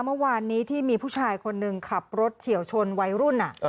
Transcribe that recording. เมื่อวานนี้ที่มีผู้ชายคนหนึ่งขับรถเฉียวชนวัยรุ่น